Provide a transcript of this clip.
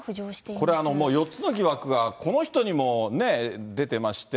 これ、もう４つの疑惑がこの人にも出てまして。